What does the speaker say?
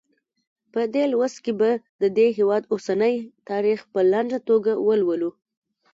په دې لوست کې به د دې هېواد اوسنی تاریخ په لنډه توګه ولولو.